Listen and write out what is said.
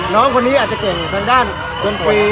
น้องคนนี้อาจจะเก่งทางด้านดนตรี